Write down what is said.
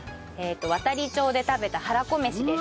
亘理町で食べたはらこめしです。